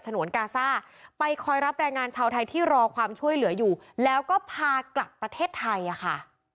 นวนกาซ่าไปคอยรับแรงงานชาวไทยที่รอความช่วยเหลืออยู่แล้วก็พากลับประเทศไทยอ่ะค่ะ